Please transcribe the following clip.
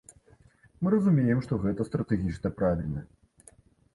Мы разумеем, што гэта стратэгічна правільна.